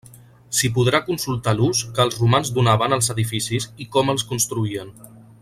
S'hi podrà consultar l'ús que els romans donaven als edificis i com els construïen.